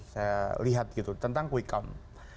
saya lihat gitu tentang quick count